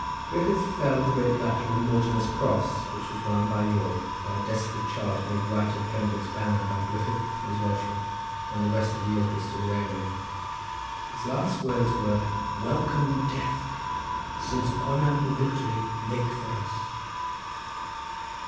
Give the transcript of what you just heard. Griffith fell at the great battle of Mortimer's Cross, which was won for York by a desperate charge made right at Pembroke's banner by Griffith and his Welshmen when the rest of the Yorkists were wavering. His last words were, "Welcome, Death! since honour and victory make for us."